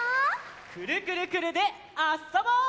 「くるくるくるっ」であっそぼう！